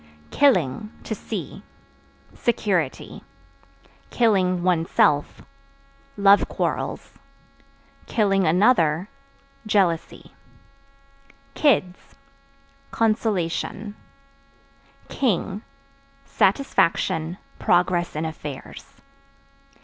Killing (To see) security; (one's self) love quarrels; (another) jealousy. Kids Consolation. King Satisfaction, progress in affairs.